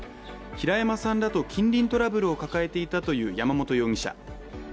平山さんらと近隣トラブルを抱えていたという山本容疑者。